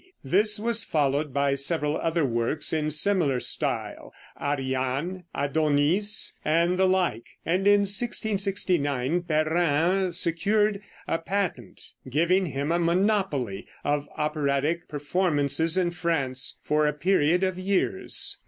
This was followed by several other works in similar style, "Ariane," "Adonis" and the like, and in 1669 Perrin secured a patent giving him a monopoly of operatic performances in France for a period of years.